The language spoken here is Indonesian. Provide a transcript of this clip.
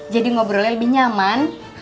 jadi ngobrolnya lebih nyaman